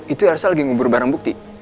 itu harusnya lagi ngubur barang bukti